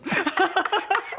ハハハハ！